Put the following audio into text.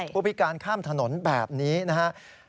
ผู้พิการข้ามถนนแบบนี้นะครับ